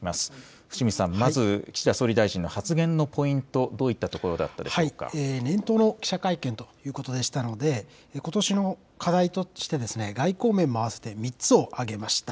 伏見さん、まず岸田総理大臣の発言のポイント、どういったところ年頭の記者会見ということでしたので、ことしの課題として、外交面も合わせて３つを挙げました。